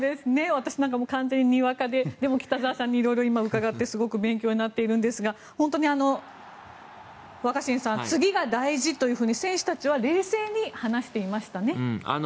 私なんか、完全ににわかで北澤さんにいろいろ伺ってすごく勉強になっているんですが若新さん、次が大事と選手たちは冷静に話していましたね。